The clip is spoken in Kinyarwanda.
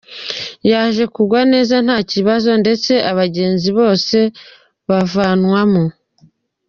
Yaje kugwa neza nta kibazo ndetse abagenzi bose bavanwamo.